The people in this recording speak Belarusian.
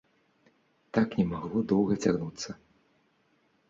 Так не магло доўга цягнуцца.